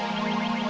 pertama kali coach